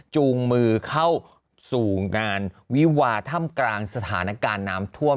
จูงมือเข้าสู่งานวิวาถ้ำกลางสถานการณ์น้ำท่วม